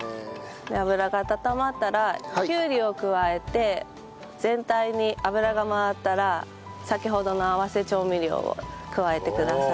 油が温まったらきゅうりを加えて全体に油が回ったら先ほどの合わせ調味料を加えてください。